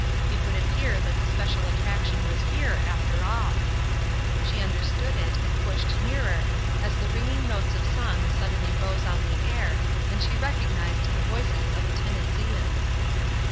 It would appear that the special attraction was here, after all. She understood it, and pushed nearer, as the ringing notes of song suddenly rose on the air, and she recognized the voices of the Tennesseeans.